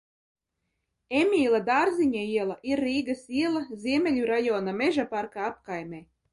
Emīla Dārziņa iela ir Rīgas iela, Ziemeļu rajona Mežaparka apkaimē.